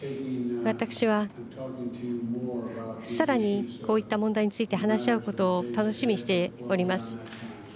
私は、さらにこういった問題について話し合うことを楽しみにしております。